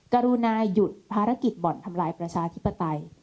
กรุณายุทธ์ภารกิจบ่อนทำลายประชาทิบตัย